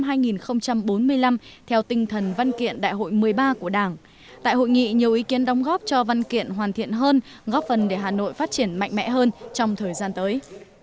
phần mục tiêu tổng quát được xây dựng cho giai đoạn năm hai nghìn bốn mươi năm theo tinh thần văn kiện đại hội một mươi ba của đảng tại hội nghị nhiều ý kiến đóng góp cho văn kiện hoàn thiện hơn góp phần để hà nội phát triển mạnh mẽ hơn trong thời gian tới